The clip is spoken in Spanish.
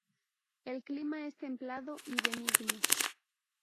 El clima es templado y benigno.